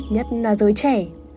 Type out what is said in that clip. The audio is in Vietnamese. nhất là giới trẻ